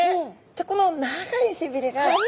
この長い背びれが。